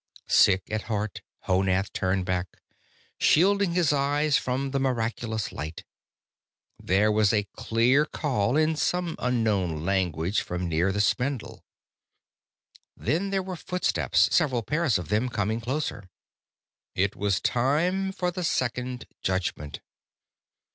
Sick at heart, Honath turned back, shielding his eyes from the miraculous light. There was a clear call in some unknown language from near the spindle. Then there were footsteps, several pairs of them, coming closer. It was time for the Second Judgment.